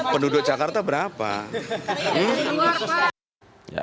penduduk jakarta berapa